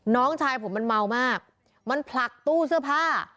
น้องชายผมมันเมามากมันผลักตู้เสื้อผ้า